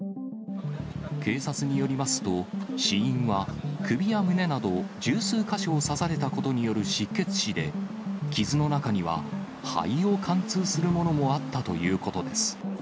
警察によりますと、死因は首や胸など十数か所を刺されたことによる失血死で、傷の中には肺を貫通するものもあったということです。